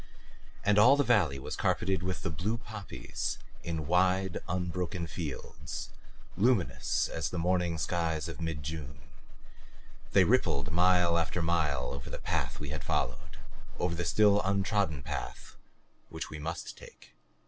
And all the valley was carpeted with the blue poppies in wide, unbroken fields, luminous as the morning skies of mid June; they rippled mile after mile over the path we had followed, over the still untrodden path which we must take.